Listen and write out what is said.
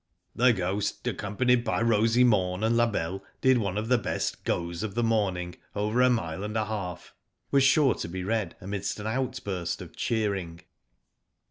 *'The Ghost, accompanied by Rosy Morn and La Belle, did one of the best ^ goes' of the morning, over a mile and a half," was sure to be read amidst an outburst of cheering.